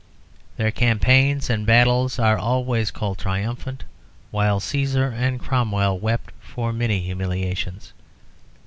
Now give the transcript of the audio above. Their campaigns and battles are always called triumphant, while Cæsar and Cromwell wept for many humiliations.